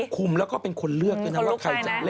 คุมแล้วก็เป็นคนเลือกเลยนะว่าใครจะเล่นหรืออะไรยังไง